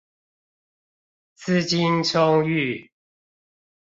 資金充裕